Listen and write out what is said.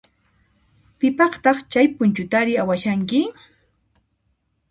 Pipaqtaq chay punchutari awashanki?